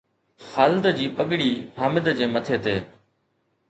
خالد جي پگڙي حامد جي مٿي تي